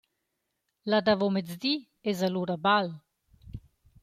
La davomezdi esa lura bal.